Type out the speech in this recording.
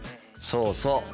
そうそう。